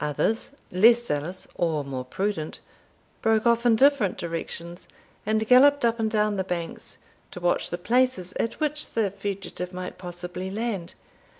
Others, less zealous or more prudent, broke off in different directions, and galloped up and down the banks, to watch the places at which the fugitive might possibly land.